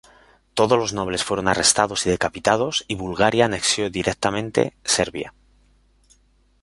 Todos los nobles fueron arrestados y decapitados y Bulgaria anexó directamente a Serbia.